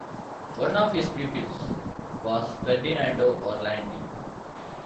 One of his pupils was Ferdinando Orlandi.